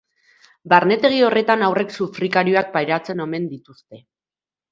Barnetegi horretan haurrek sufrikarioak pairatzen omen dituzte.